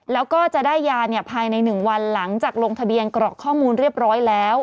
แล้วก็จะได้ยาภายใน๑วันหลังจากลงทะเบียนกรอกข้อมูลเรียบร้อยแล้ว